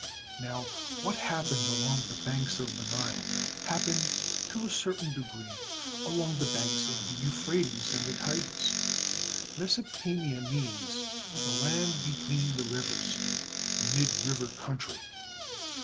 Now, what happened along the banks of the Nile happened to a certain degree along the banks of the Euphrates and the Tigris. Mesopotamia means "the land between the rivers," the mid river country.